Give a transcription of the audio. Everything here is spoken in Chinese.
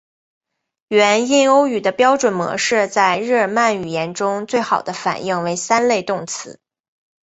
原印欧语的标准模式在日耳曼语言中最好的反映为三类动词。